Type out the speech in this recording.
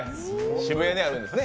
渋谷にあるんですね